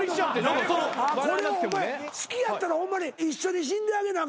これお前好きやったらホンマに一緒に死んであげなあ